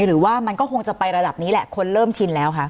หรือว่ามันก็คงจะไประดับนี้แหละคนเริ่มชินแล้วคะ